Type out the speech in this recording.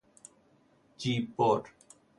جیببر